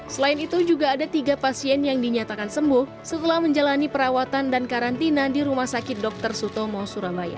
selain itu juga ada tiga pasien yang dinyatakan sembuh setelah menjalani perawatan dan karantina di rumah sakit dr sutomo surabaya